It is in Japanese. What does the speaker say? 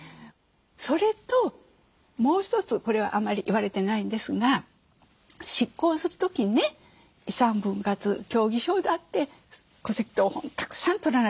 それともう一つこれはあんまり言われてないんですが執行する時にね遺産分割協議書だって戸籍謄本たくさん取らなきゃいけませんね。